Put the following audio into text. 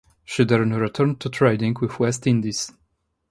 She then returned to trading with the West Indies.